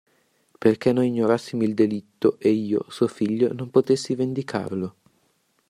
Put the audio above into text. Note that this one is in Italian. Perché noi ignorassimo il delitto e io, suo figlio, non potessi vendicarlo.